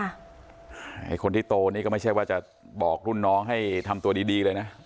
ไอ้คนที่โตนี่ก็ไม่ใช่ว่าจะบอกรุ่นน้องให้ทำตัวดีเลยนะ